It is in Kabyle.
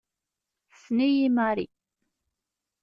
Tessen-iyi Mari.